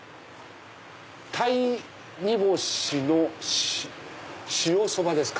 鯛煮干しの塩そばですか。